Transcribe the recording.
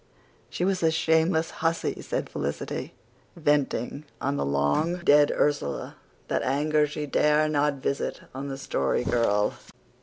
"She was a shameless hussy," said Felicity, venting on the long dead Ursula that anger she dare not visit on the Story Girl.